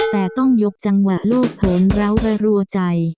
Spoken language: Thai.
แต่ต้องยกจังหวะโลกผลแล้วประรั่วใจ